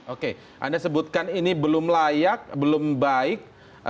oke anda sebutkan ini belum layak belum baik